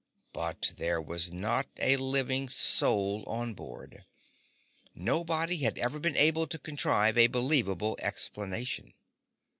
But there was not a living soul on board. Nobody had ever been able to contrive a believable explanation.